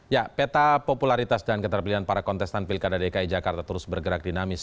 ya peta popularitas dan keterbelian para kontestan pilkada dki jakarta terus bergerak dinamis